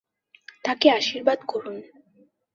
তাকে আশীর্বাদ করুন।